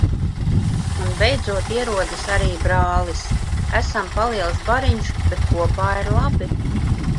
Un beidzot ierodas arī brālis. Esam paliels bariņš, bet kopā ir labi.